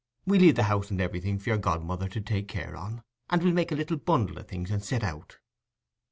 We'll leave the house and everything for your godmother to take care on, and we'll make a little bundle o' things and set out."